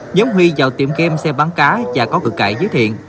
nhóm huy vào tiệm game xe bán cá và có cực cãi với thiện